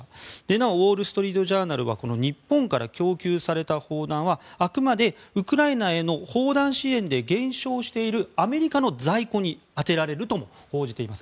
なお、ウォール・ストリート・ジャーナルはこの日本から供給された砲弾はあくまでウクライナへの砲弾支援で減少しているアメリカの在庫に充てられるとも報じられています。